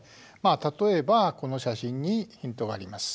例えばこの写真にヒントがあります。